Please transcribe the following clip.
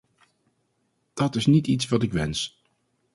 Dat is niet iets wat ik wens.